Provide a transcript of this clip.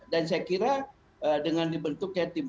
dan saya kira dengan itu kita harus memiliki keadilan